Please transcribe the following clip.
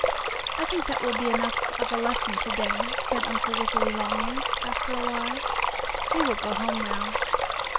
"I think that will be enough of a lesson to day," said Uncle Wiggily Longears, after a while. "We will go home, now."